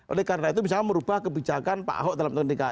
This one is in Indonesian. oleh karena itu bisa merubah kebijakan pak ahok dalam tahun dki